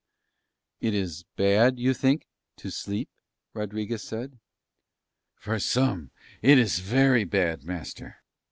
"It is bad, you think, to sleep," Rodriguez said. "For some it is very bad, master.